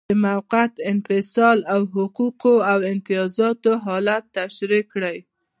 د موقت انفصال او حقوقو او امتیازاتو حالت تشریح کړئ.